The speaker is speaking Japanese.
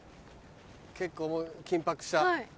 結構緊迫した。